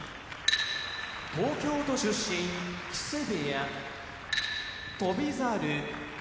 東京都出身木瀬部屋翔猿